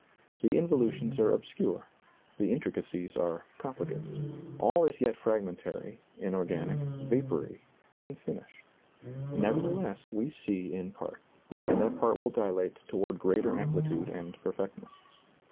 The involutions are ob scure, the intricacies are complicate. All is yet fragmentary, inorganic, vapory, unfinished. Nevertheless we see in part, and that part will dilate toward greater amplitude and perfectness.